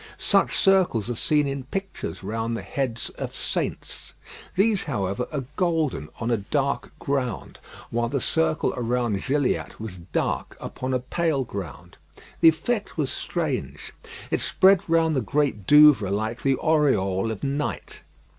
Such circles are seen in pictures round the heads of saints. These, however, are golden on a dark ground, while the circle around Gilliatt was dark upon a pale ground. The effect was strange. It spread round the Great Douvre like the aureole of night.